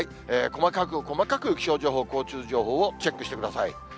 細かく細かく気象情報、交通情報をチェックしてください。